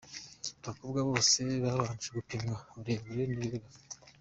Abakobwa bose babanje gupimwa uburebure n'ibiro bafite.